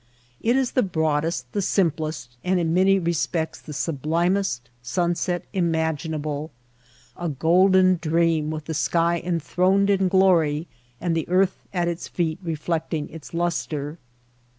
It is the broadest, the simplest, and in many respects the sublimest sunset imaginable — a golden dream with the sky enthroned in glory and the earth at its feet reflecting its lustre.